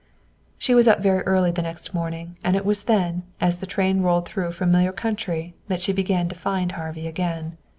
She was up very early the next morning, and it was then, as the train rolled through familiar country, that she began to find Harvey again.